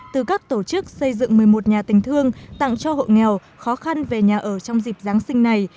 từ các tổ chức xây dựng một mươi một nhà tình thương tặng cho hộ nghèo khó khăn về nhà ở trong dịp giáng sinh này